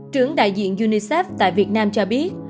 trưởng đại diện unicef tại việt nam cho biết